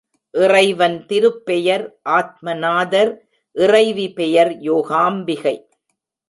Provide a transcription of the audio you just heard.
இறைவன் திருப்பெயர், ஆத்மநாதர் இறைவி பெயர் யோகாம்பிகை.